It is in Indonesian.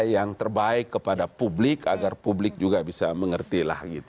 yang terbaik kepada publik agar publik juga bisa mengerti lah gitu